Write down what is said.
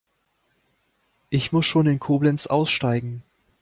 Ich muss schon in Koblenz aussteigen